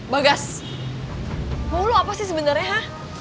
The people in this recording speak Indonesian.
bagas mau lo apa sih sebenarnya